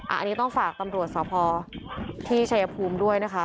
อันนี้ต้องฝากตำรวจสพที่ชัยภูมิด้วยนะคะ